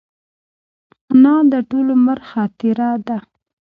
انا د ټول عمر خاطره ده